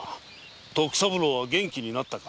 徳三郎は元気になったか。